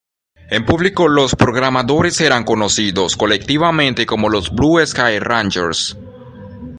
En público, los programadores eran conocidos colectivamente como los "Blue Sky Rangers".